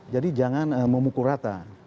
jadi jangan memukul rata